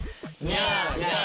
ニャーニャー。